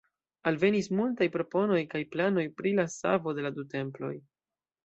Alvenis multaj proponoj kaj planoj pri la savo de la du temploj.